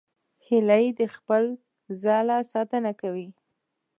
هیلۍ د خپل ځاله ساتنه کوي